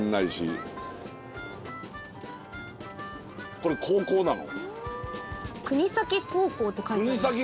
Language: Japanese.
これ高校なの？